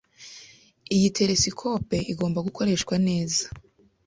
Iyi telesikope igomba gukoreshwa neza.